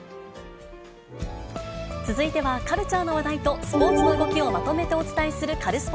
続いては、カルチャーの話題とスポーツの動きをまとめてお伝えするカルスポ